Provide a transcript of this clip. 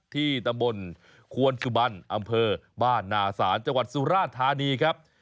ที่ตำบลควนสุบันอำเภอบ้านนาศาลจังหวัดสุราธานีครับ